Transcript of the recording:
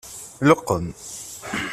Leqqem.